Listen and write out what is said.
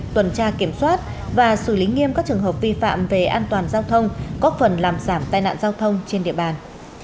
tuần tra kiểm soát và xử lý nghiêm các trường hợp vi phạm về an toàn giao thông góp phần làm giảm tai nạn giao thông trên địa bàn